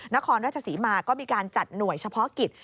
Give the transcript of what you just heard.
นครราชศรีมาก็มีการจัดหน่วยเฉพาะกิจ